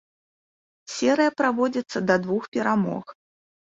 Серыя праводзіцца да двух перамог.